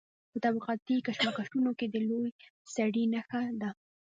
په طبقاتي کشمکشونو کې د لوی سړي نښه ده.